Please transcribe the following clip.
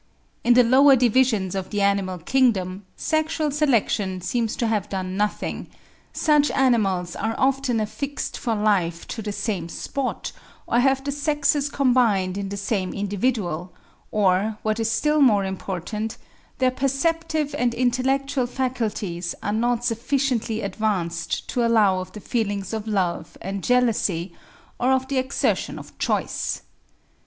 In the lower divisions of the animal kingdom, sexual selection seems to have done nothing: such animals are often affixed for life to the same spot, or have the sexes combined in the same individual, or what is still more important, their perceptive and intellectual faculties are not sufficiently advanced to allow of the feelings of love and jealousy, or of the exertion of choice.